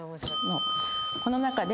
この中で。